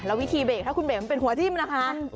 แล้ววิธีเบรกถ้าคุณเบ๋มเป็นหัวทิ้มนะคะ